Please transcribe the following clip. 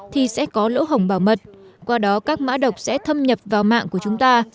thì sẽ có lỗ hồng bảo mật qua đó các mã độc sẽ thâm nhập vào mạng của chúng ta